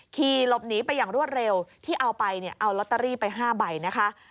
ขี่หลบหนีไปอย่างรวดเร็วที่เอาไปเนี่ยเอาลอตเตอรี่ไป๕ใบนะคะ